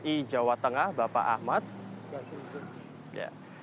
i jawa tengah bapak ahmad